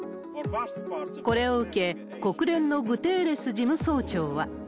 これを受け、国連のグテーレス事務総長は。